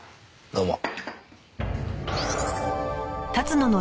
どうも。